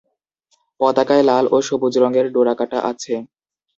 পতাকায় লাল ও সবুজ রঙের ডোরাকাটা আছে।